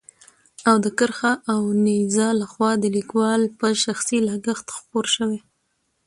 او د کرښه اوو نيزه له خوا د ليکوال په شخصي لګښت خپور شوی.